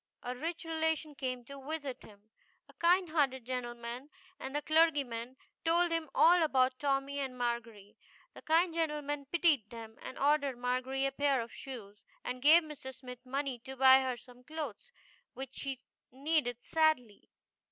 A rich relation came to visit him a kind hearted gentleman and the clergyman told him all about Tommy and Margery. The kind gentleman pitied them, and ordered Margery a pair of shoes and gave Mr. Smith money to buy her some clothes, which she needed sadly.